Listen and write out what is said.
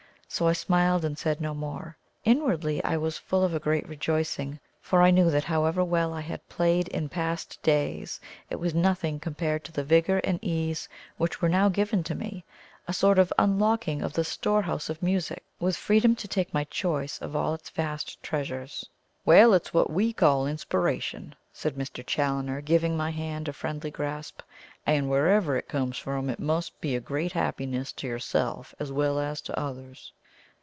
So I smiled and said no more. Inwardly I was full of a great rejoicing, for I knew that however well I had played in past days, it was nothing compared to the vigour and ease which were now given to me a sort of unlocking of the storehouse of music, with freedom to take my choice of all its vast treasures. "Well, it's what WE call inspiration," said Mr. Challoner, giving my hand a friendly grasp; "and wherever it comes from, it must be a great happiness to yourself as well as to others."